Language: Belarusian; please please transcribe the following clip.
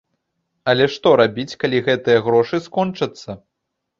Але што рабіць, калі гэтыя грошы скончацца?